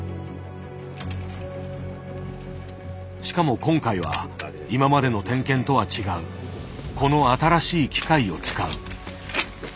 しかも今回は今までの点検とは違うこの新しい機械を使う。